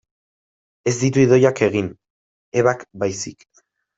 Ez ditu Idoiak egin, Ebak baizik.